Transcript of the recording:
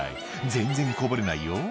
全然こぼれないよ」